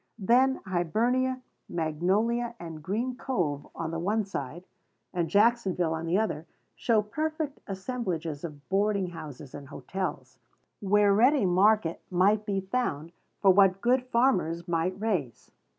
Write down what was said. Then Hibernia, Magnolia, and Green Cove, on the one side, and Jacksonville on the other, show perfect assemblages of boarding houses and hotels, where ready market might be found for what good farmers might raise.